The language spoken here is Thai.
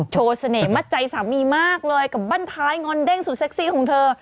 โชว์เสน่หมัดใจสามีมากเลยกับบ้านท้ายงอนเด้งสุดเซ็กซี่ของเธอ